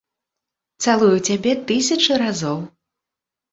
Цалую цябе тысячы разоў.